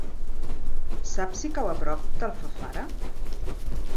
Saps si cau a prop d'Alfafara?